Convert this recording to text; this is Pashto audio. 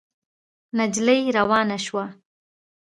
نجلۍ روانه شوه.